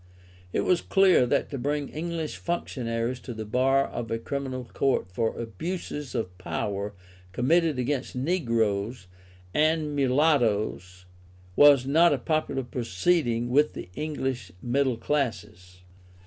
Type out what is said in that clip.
It was clear that to bring English functionaries to the bar of a criminal court for abuses of power committed against negroes and mulattoes was not a popular proceeding with the English middle classes.